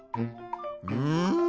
うん。